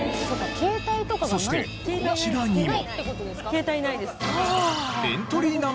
そしてこちらにも。